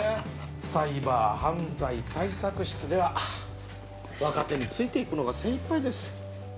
サイバー犯罪対策室では若手についていくのが精いっぱいです。